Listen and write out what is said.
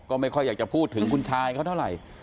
ก็ไม่ค่อยอยากจะพูดถึงคุณชายเขาเท่าไหร่